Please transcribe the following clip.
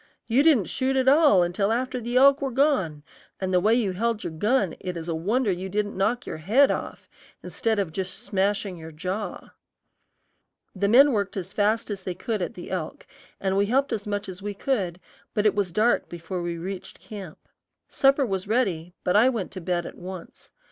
you didn't shoot at all until after the elk were gone, and the way you held your gun it is a wonder it didn't knock your head off, instead of just smashing your jaw." The men worked as fast as they could at the elk, and we helped as much as we could, but it was dark before we reached camp. Supper was ready, but I went to bed at once.